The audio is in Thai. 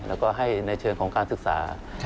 แล้วก็ให้ในเชิงของการศึกษา